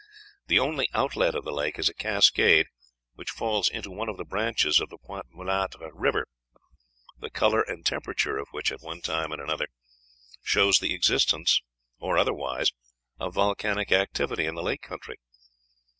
The only outlet of the lake is a cascade which falls into one of the branches of the Pointe Mulâtre River, the color and temperature of which, at one time and another, shows the existence or otherwise of volcanic activity in the lake country.